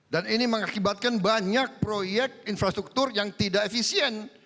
dan ini mengakibatkan banyak proyek infrastruktur yang tidak efisien